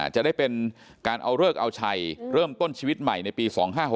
จะได้เป็นการเอาเลิกเอาชัยเริ่มต้นชีวิตใหม่ในปี๒๕๖๖